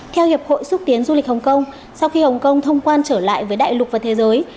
theo hiệp hội xúc tiến du lịch hồng kông sau khi hồng kông thông quan trở lại với đại lục và thế giới